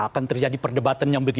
akan terjadi perdebatan yang begitu